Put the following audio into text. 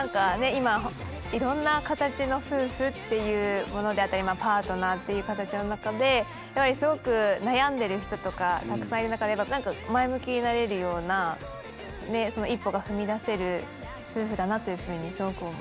今いろんな形の夫婦っていうものであったりパートナーっていう形の中でやっぱりすごく悩んでる人とかたくさんいる中でなんか夫婦だなというふうにすごく思いました。